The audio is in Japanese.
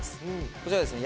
こちらはですね